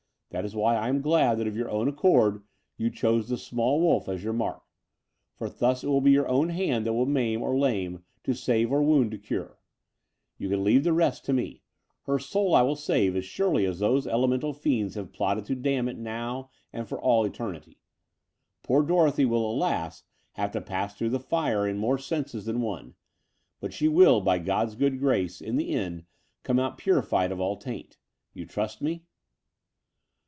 That is why I am glad that of your own accx>rd you chose the small wolf as your mark: for thus it will be your own hand that will maim or lame to save or wotmd to cure. You can leave the rest to me. Her soul I will save as surely as those elemental fiends have plot ted to damn it now and for all eternity. Poor Dorothy will, alas, have to pass through the fire in more senses than one; but she will, by God's good grace, in the end come out purified of all taint. You trust me?"